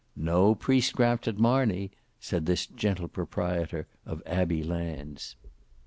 "No priestcraft at Marney," said this gentle proprietor of abbey lands.